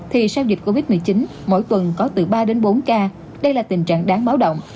thì sau dịch covid một mươi chín mỗi tuần có từ ba đến bốn ca đây là tình trạng đáng báo động